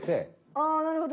あなるほど。